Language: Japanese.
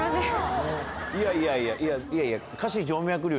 いやいやいやいやいやいや。